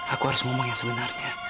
aku harus ngomong yang sebenarnya